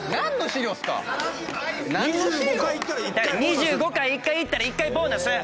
２５回いったら１回ボーナス。